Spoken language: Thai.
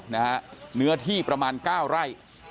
เนื้อที่ประมาณ๙ไร่